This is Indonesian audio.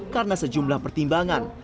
karena sejumlah pertimbangan